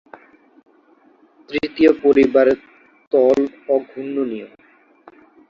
তৃতীয় পরিবারের তল অঘূর্ণনীয়।